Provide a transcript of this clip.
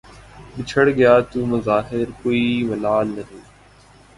بچھڑ گیا تو بظاہر کوئی ملال نہیں